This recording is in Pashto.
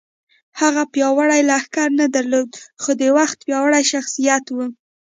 هغه پیاوړی لښکر نه درلود خو د وخت پیاوړی شخصیت و